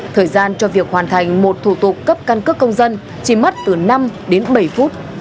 thời gian cho việc hoàn thành một thủ tục cấp căn cước công dân chỉ mất từ năm đến bảy phút